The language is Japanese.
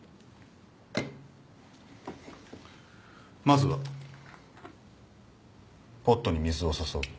まずはポットに水を注ぐ。